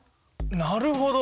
なるほど！